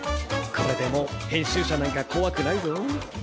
これでもう編集者なんかこわくないぞ。